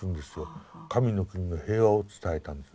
神の国の平和を伝えたんです。